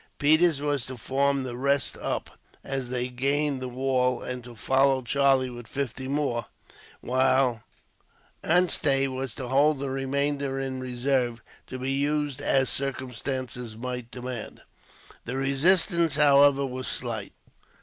Peters was to form the rest up, as they gained the wall, and to follow Charlie with fifty more; while Anstey was to hold the remainder in reserve, to be used as circumstances might demand. The resistance, however, was slight.